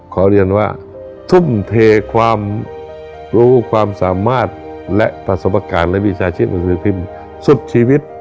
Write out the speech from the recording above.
ขอเรียนว่าทุ่มเทความรู้ความสามารถและประสบการณ์และวิชาชีพหนังสือพิมพ์สุดชีวิต